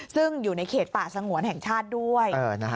ซึ่งอยู่ในเขตป่าสงวนแห่งชาติด้วย